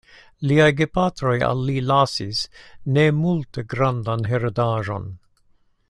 Liaj gepatroj al li lasis ne multe grandan heredaĵon.